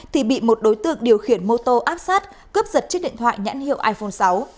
thì bị một đối tượng điều khiển mô tô áp sát cướp giật chiếc điện thoại nhãn hiệu iphone sáu